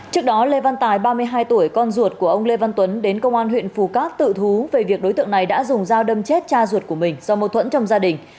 trước đó lê văn tài ba mươi hai tuổi con ruột của ông lê văn tuấn đến công an huyện phù cát tự thú về việc đối tượng này đã dùng dao đâm chết cha ruột của mình do mâu thuẫn trong gia đình